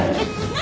何？